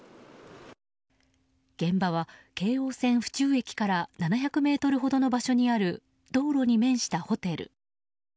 現場は、京王線府中駅から７００ｍほどの場所にある道路に面したホテル。